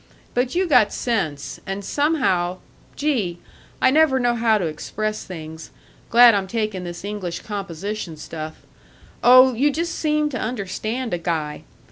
But you got sense, and somehow gee! I never know how to express things glad I'm taking this English composition stuff oh, you just seem to understand a guy.